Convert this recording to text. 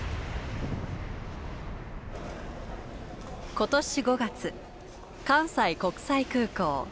今年５月関西国際空港。